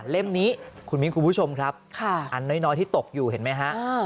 เล่มนี้คุณมิ้นคุณผู้ชมครับอันน้อยที่ตกอยู่เห็นไหมฮะ